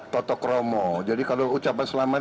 totokromo jadi kalau ucapan selamat